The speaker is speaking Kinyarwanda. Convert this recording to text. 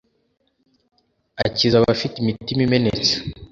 akiza abafite imitima imenetse,